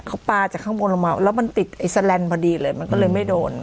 เขาปลาจากข้างบนลงมาแล้วมันติดไอ้แสลนด์พอดีเลยมันก็เลยไม่โดน